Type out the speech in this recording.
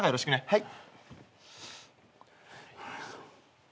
はい。